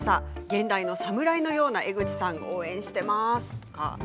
現代の侍のような江口さんを応援しています。